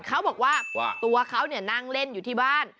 เขาบอกว่าตัวเขานั่งเล่นอยู่ที่บ้าน